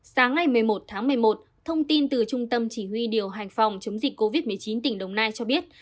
sáng ngày một mươi một tháng một mươi một thông tin từ trung tâm chỉ huy điều hành phòng chống dịch covid một mươi chín tỉnh đồng nai cho biết